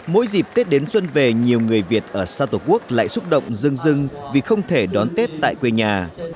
mỗi dịp tết đến xuân về nhiều người việt ở xa tổ quốc lại xúc động dưng dưng vì không thể đón tết tại quê nhà